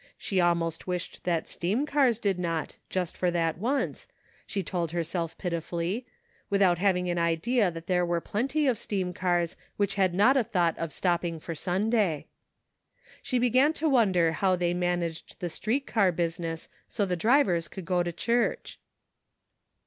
She almost wished that steam cars did not, just for that once, she told herself pitifully, without having an idea that there were plenty of steam cars which had not a thought of stopping for Sunday. She began A NEW FRIEND. a^ to wonder how they managed the street car business so the drivers could go to church.